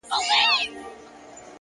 مثبت چلند زړونه سره نږدې کوي!